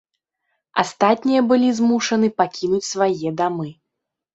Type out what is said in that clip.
Астатнія былі змушаны пакінуць свае дамы.